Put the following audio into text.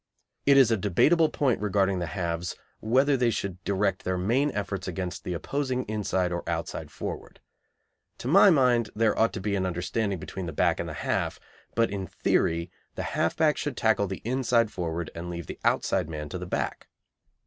It is a debatable point regarding the halves whether they should direct their main efforts against the opposing inside or outside forward. To my mind, there ought to be an understanding between the back and the half, but in theory the half back should tackle the inside forward and leave the outside man to the back.